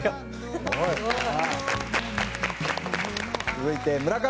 続いて村上。